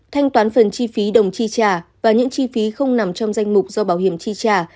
thanh toán phần chi phí đồng chi trả và những chi phí không nằm trong danh mục do bảo hiểm chi trả